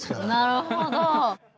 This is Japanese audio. なるほど。